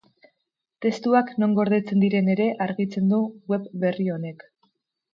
Testuak non gordetzen diren ere argitzen du web berri honek.